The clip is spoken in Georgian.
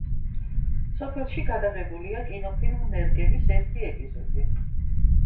სოფელში გადაღებულია კინოფილმ „ნერგების“ ერთი ეპიზოდი.